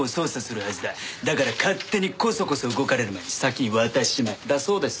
だから勝手にコソコソ動かれる前に先に渡しちまえだそうです。